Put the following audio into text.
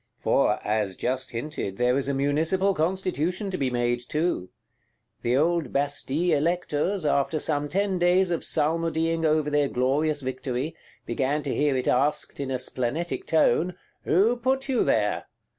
For, as just hinted, there is a Municipal Constitution to be made too. The old Bastille Electors, after some ten days of psalmodying over their glorious victory, began to hear it asked, in a splenetic tone, Who put you there?